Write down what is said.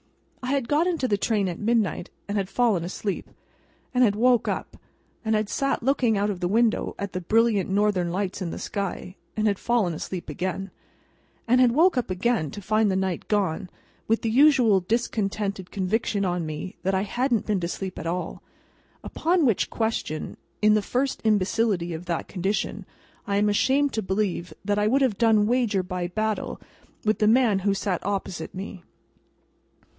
I had got into the train at midnight, and had fallen asleep, and had woke up and had sat looking out of window at the brilliant Northern Lights in the sky, and had fallen asleep again, and had woke up again to find the night gone, with the usual discontented conviction on me that I hadn't been to sleep at all;—upon which question, in the first imbecility of that condition, I am ashamed to believe that I would have done wager by battle with the man who sat opposite me.